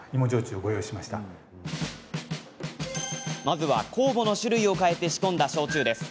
まずは、酵母の種類を変えて仕込んだ焼酎です。